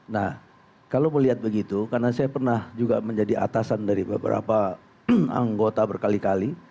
nah kalau melihat begitu karena saya pernah juga menjadi atasan dari beberapa anggota berkali kali